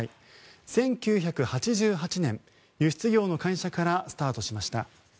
１９８８年、輸出業の会社からスタートしました。